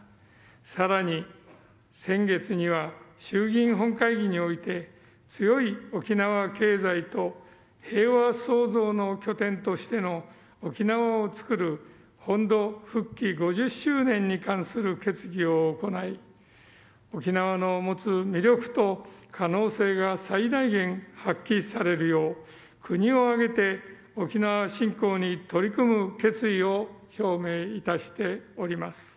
更に、先月には衆議院本会議において「強い沖縄経済と平和創造の拠点としての沖縄をつくる本土復帰五十周年に関する決議」を行い沖縄の持つ魅力と可能性が最大限発揮されるよう国を挙げて沖縄振興に取り組む決意を表明いたしております。